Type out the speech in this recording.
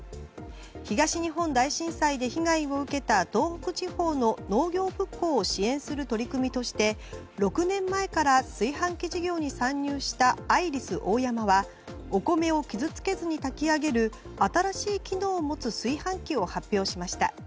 東日本大震災で被害を受けた東北地方の農業復興を支援する取り組みとして６年前から炊飯器事業に参入したアイリスオーヤマはお米を傷つけずに炊き上げる新しい機能を持つ炊飯器を発表しました。